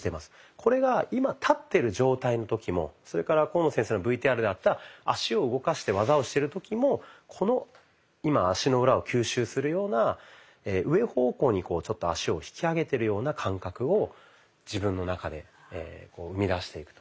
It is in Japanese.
これが今立ってる状態の時もそれから甲野先生のＶＴＲにあった脚を動かして技をしてる時もこの今足の裏を吸収するような上方向に脚を引き上げてるような感覚を自分の中で生み出していくと。